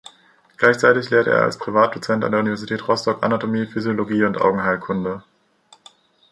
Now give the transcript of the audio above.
Gleichzeitig lehrte er als Privatdozent an der Universität Rostock Anatomie, Physiologie und Augenheilkunde.